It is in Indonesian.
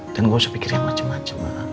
dan gak usah pikirin macem macem ma